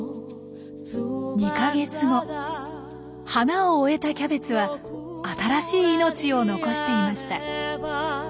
花を終えたキャベツは新しい命を残していました。